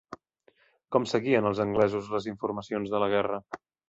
Com seguien els anglesos les informacions de la guerra?